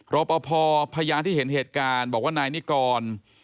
รอปภพยานที่เห็นเหตุการณ์บอกว่านายนิกร